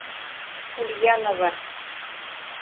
Ульянова.